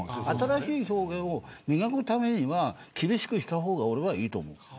新しい表現を磨くためには厳しくした方が俺はいいと思う。